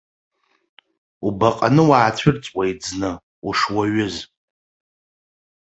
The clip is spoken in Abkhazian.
Убаҟаны уаацәырҵуеит зны, ушуаҩыз.